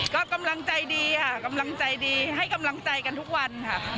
ก็กำลังใจดีให้กำลังใจกันทุกวัน